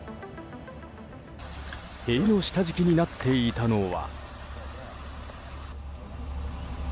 塀の下敷きになっていたのは。